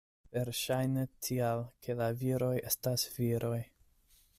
Verŝajne tial, ke la viroj estas viroj.